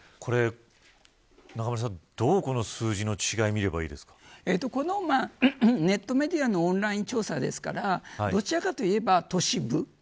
中村さん、どうこの数字の違いを見ればいいこのネットメディアのオンライン調査ですからどちらかといえば都市部。